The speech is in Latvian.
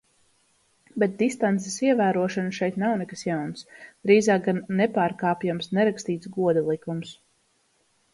Bet distances ievērošana šeit nav nekas jauns, drīzāk gan nepārkāpjams, nerakstīts goda likums.